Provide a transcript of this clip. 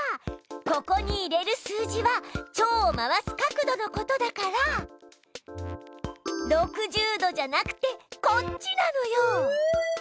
ここに入れる数字はチョウを回す角度のことだから６０度じゃなくてこっちなのよ！